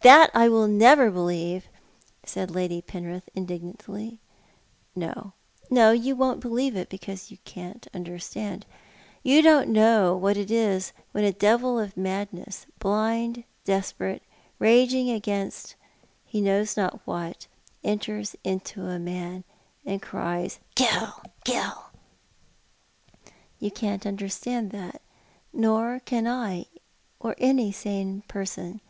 " That I will never believe," said Lady Penrith indignantly. "jN'o, no; you won't believe because you can't understand. You don't know what it is when a devil of madness — blind, desperate, raging against he knows not what — enters into a man, and cries ' Kill ! kill !' You can't understand that — nor can I, or any sane person.